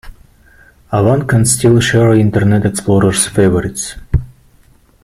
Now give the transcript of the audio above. Avant can still share Internet Explorer's "Favorites".